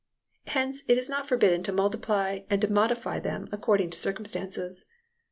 Hence it is not forbidden to multiply and to modify them according to circumstances.